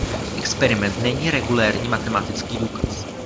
Experiment není regulérní matematický důkaz.